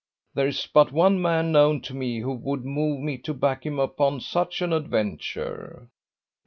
There is but one man known to me who would move me to back him upon such an adventure.